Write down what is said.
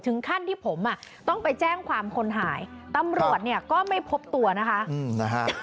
ถึงขั้นที่ผมอ่ะต้องไปแจ้งความคนหายตำรวจเนี่ยก็ไม่พบตัวนะคะนะฮะ